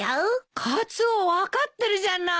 カツオ分かってるじゃない。